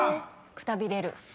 「くたびれる」